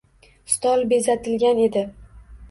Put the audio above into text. Stol bezatilgan edi